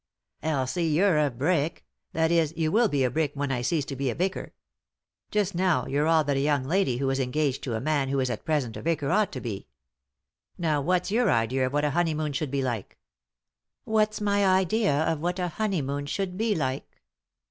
" Elsie, you're a brick — that is, you will be a brick when I cease to be a vicar. Just now you're all that a young lady who is engaged to a man who is at present 212 3i 9 iii^d by Google THE INTERRUPTED KISS a vicar ought to be. Now what's your idea of what a honeymoon should be like 7 "" What's my idea of what a honey moon should be like